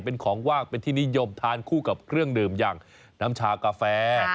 เป็นของว่างเป็นที่นิยมทานคู่กับเครื่องดื่มอย่างน้ำชากาแฟ